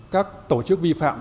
các tổ chức vi phạm